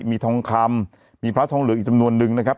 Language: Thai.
มีทองคำมีพระทองเหลืองอีกจำนวนนึงนะครับ